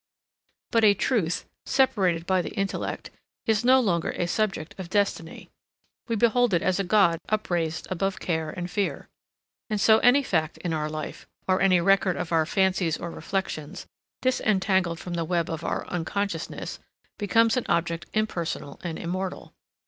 But a truth, separated by the intellect, is no longer a subject of destiny. We behold it as a god upraised above care and fear. And so any fact in our life, or any record of our fancies or reflections, disentangled from the web of our unconsciousness, becomes an object impersonal and immortal.